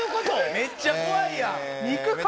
めっちゃ怖いよ。